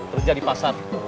kerja di pasar